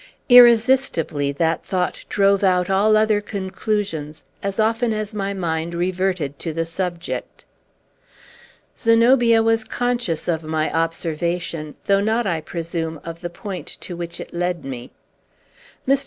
irresistibly that thought drove out all other conclusions, as often as my mind reverted to the subject. Zenobia was conscious of my observation, though not, I presume, of the point to which it led me. "Mr.